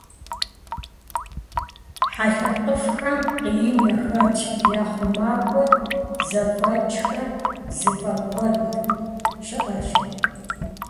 Хьэ лъэпкъыфӀхэм къиин яхэтщ, я хъумакӀуэ зэфӀэкӀхэр зыфӀэкӀуэд щыӀэщ.